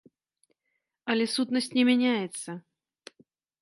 Але сутнасць не мяняецца.